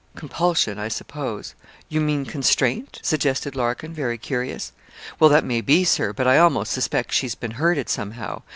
'Compulsion, I suppose; you mean constraint?' suggested Larkin, very curious. 'Well, that may be, Sir, but I amost suspeck she's been hurted somehow.